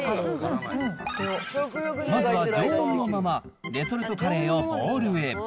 まずは常温のまま、レトルトカレーをボウルへ。